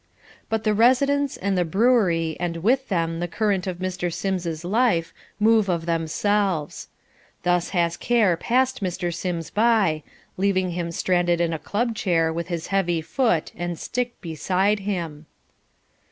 But the residence, and the brewery, and with them the current of Mr. Sims's life move of themselves. Thus has care passed Mr. Sims by, leaving him stranded in a club chair with his heavy foot and stick beside him.